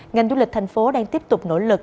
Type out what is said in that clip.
ngành du lịch thành phố đang tiếp tục nỗ lực